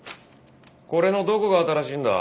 これのどこが新しいんだ？